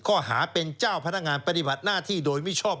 ข้อหาเป็นเจ้าพนักงานปฏิบัติหน้าที่โดยมิชอบ